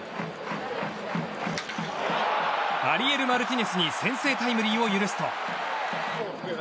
アリエル・マルティネエスに先制タイムリーを許すと。